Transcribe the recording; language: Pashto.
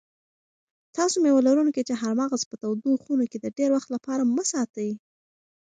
تاسو مېوه لرونکي چهارمغز په تودو خونو کې د ډېر وخت لپاره مه ساتئ.